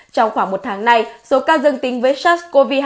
trong khoảng một tháng này số ca dân tính với sars cov hai